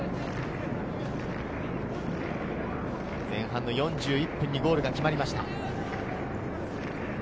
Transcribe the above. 前半４１分にゴールが決まりました。